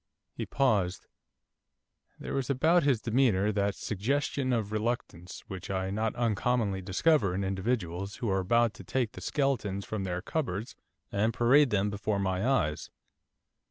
He paused. There was about his demeanour that suggestion of reluctance which I not uncommonly discover in individuals who are about to take the skeletons from their cupboards and parade them before my eyes.